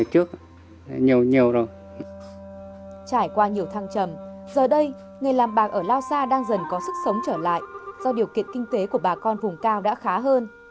trải qua nhiều thăng trầm giờ đây nghề làm bạc ở lao sa đang dần có sức sống trở lại do điều kiện kinh tế của bà con vùng cao đã khá hơn